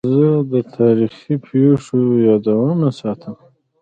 زه د تاریخي پېښو یادونه ساتم.